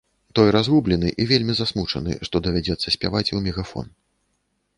Той разгублены і вельмі засмучаны, што давядзецца спяваць у мегафон.